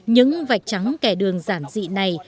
những vạch trắng kẻ đường giản dị này